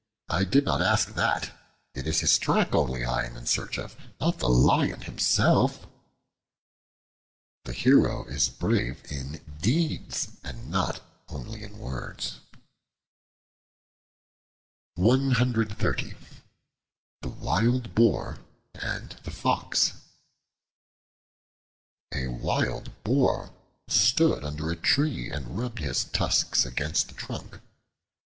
I did not ask that; it is his track only I am in search of, not the Lion himself." The hero is brave in deeds as well as words. The Wild Boar and the Fox A WILD BOAR stood under a tree and rubbed his tusks against the trunk.